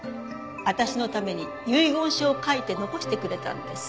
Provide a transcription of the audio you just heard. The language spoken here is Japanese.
私のために遺言書を書いて残してくれたんです。